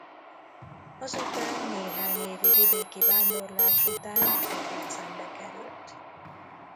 Azután néhány évi vidéki vándorlás után Debrecenbe került.